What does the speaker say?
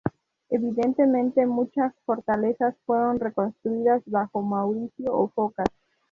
Evidentemente, muchas fortalezas fueron reconstruidas bajo Mauricio o Focas.